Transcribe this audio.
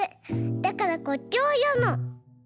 だからこっちをよむの。